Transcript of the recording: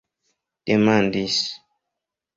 demandis